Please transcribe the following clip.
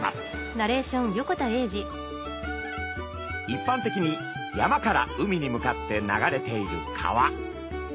いっぱん的に山から海に向かって流れている川。